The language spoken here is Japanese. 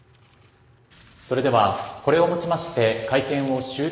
それではこれをもちまして会見を終了とさせて。